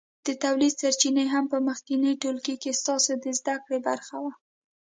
د تولید سرچینې هم په مخکېني ټولګي کې ستاسو د زده کړې برخه وه.